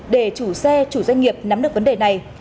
để chủ xe chủ doanh nghiệp nắm được vấn đề này